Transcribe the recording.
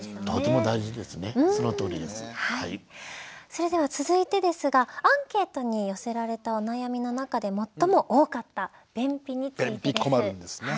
それでは続いてですがアンケートに寄せられたお悩みの中で最も多かった便秘についてです。便秘困るんですよね。